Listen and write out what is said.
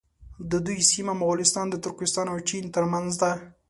د دوی سیمه مغولستان د ترکستان او چین تر منځ ده.